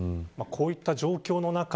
こういった状況の中